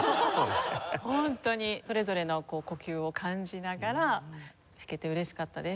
ホントにそれぞれの呼吸を感じながら弾けて嬉しかったです。